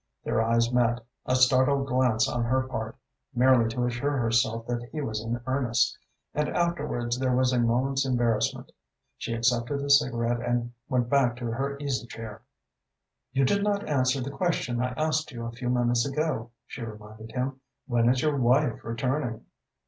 Their eyes met a startled glance on her part, merely to assure herself that he was in earnest and afterwards there was a moment's embarrassment. She accepted a cigarette and went back to her easy chair. "You did not answer the question I asked you a few minutes ago," she reminded him. "When is your wife returning?"